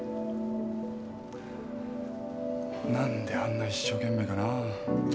何であんな一生懸命かなあ。